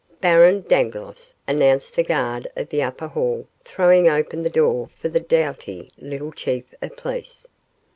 "Baron Dangloss!" announced the guard of the upper hall, throwing open the door for the doughty little chief of police.